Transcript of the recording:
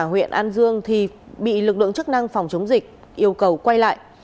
huyện an dương thì bị lực lượng chức năng phòng chống dịch yêu cầu quay lại